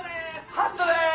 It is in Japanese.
「ハットです！